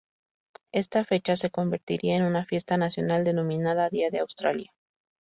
Esa fecha se convertiría en una fiesta nacional denominada Día de Australia.